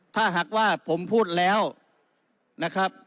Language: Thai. ถ้าหากว่าผมพูดแล้วนะครับ